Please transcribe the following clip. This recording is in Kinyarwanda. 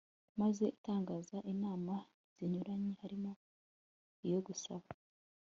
maze itanga inama zinyuranye harimo iyo gusaba